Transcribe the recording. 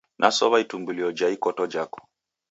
Nasow'a itumbulio jha ikoto jhako